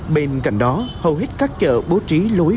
bên cạnh đó hầu hết các chợ bố trí lối